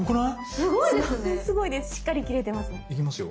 すごいですね。